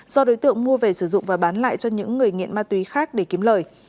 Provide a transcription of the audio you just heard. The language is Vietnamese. do đối tượng mua về sử dụng và bán lại cho những người nghiện ma túy khác để kiếm lời